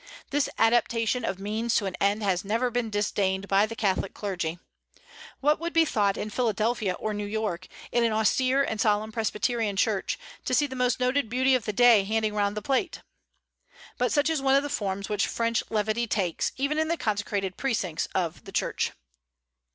This adaptation of means to an end has never been disdained by the Catholic clergy. What would be thought in Philadelphia or New York, in an austere and solemn Presbyterian church, to see the most noted beauty of the day handing round the plate? But such is one of the forms which French levity takes, even in the consecrated precincts of the church.